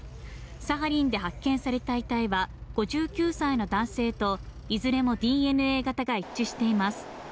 サハリンで発見された遺体は５９歳の男性といずれもＤＮＡ型が一致しています